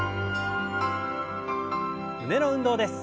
胸の運動です。